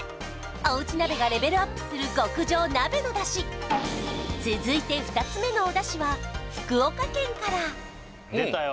おうち鍋がレベルアップする極上鍋の出汁続いて２つ目のお出汁は福岡県から出たよ